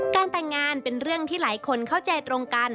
แต่งงานเป็นเรื่องที่หลายคนเข้าใจตรงกัน